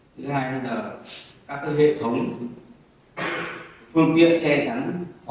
thì cái cơ sở vật chất thì về cơ bản chúng tôi cũng kiểm tra như thế